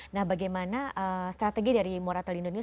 nah bagaimana strategi dari moratel indonesia